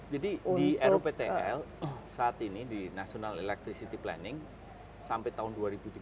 jadi di ruptl saat ini di national electricity planning sampai tahun dua ribu tiga puluh